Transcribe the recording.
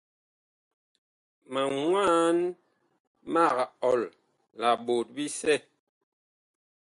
Ma mwaan mag ɔl la ɓot bisɛ.